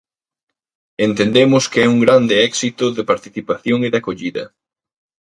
Entendemos que é un grande éxito de participación e de acollida.